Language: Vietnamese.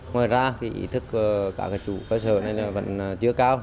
ngoài ra ý thức của các chủ cơ sở này vẫn chưa cao